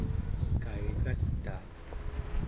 kaigataa